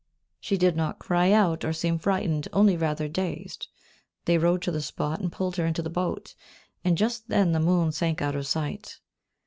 She did not cry out or seem frightened, only rather dazed. They rowed to the spot and pulled her into the boat, and just then the moon sank out of sight.